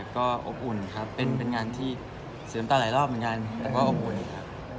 ก็อบอุ่นครับเป็นงานที่เสริมต่อหลายรอบเหมือนกันแต่ก็อบอุ่นครับ